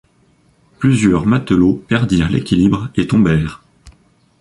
Plusieurs matelots perdirent l’équilibre et tombèrent.